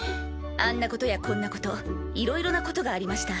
あんなことやこんなこといろいろなことがありました。